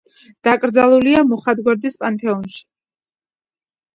დაკრძალულია მუხათგვერდის პანთეონში.